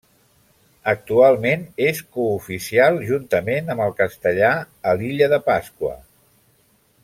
Actualment és cooficial juntament amb el castellà a l'Illa de Pasqua.